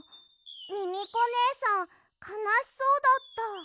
ミミコねえさんかなしそうだった。